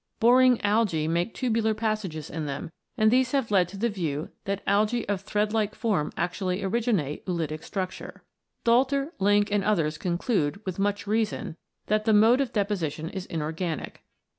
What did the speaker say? Boring algse make tubular passages in them, and these have led to the view that algee of thread like form actually originate oolitic structure. Doelter, Linck, and others conclude, with much reason, that the mode of deposition is inorganic.